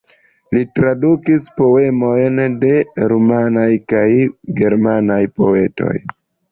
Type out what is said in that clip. Li tradukis poemojn de rumanaj kaj germanaj poetoj.